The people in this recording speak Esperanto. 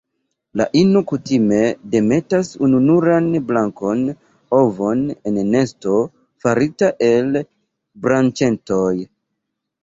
La ino kutime demetas ununuran blankan ovon en nesto farita el branĉetoj.